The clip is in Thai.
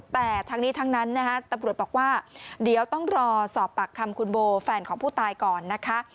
แต่ทั้งนี้ทั้งนั้นนะฮะตำรวจบอกว่าเดี๋ยวต้องรอสอบปากคำคุณโบแฟนของผู้ตายก่อนนะคะ